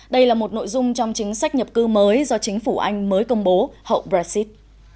đây là một nội dung trong chính sách nhập cư mới do chính phủ anh mới công bố hậu brexit